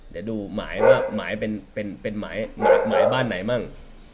เดี๋ยวดูหมายเป็นหมายหมายบ้านไหนมั่ง